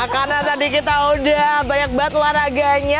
karena tadi kita udah banyak banget luaraganya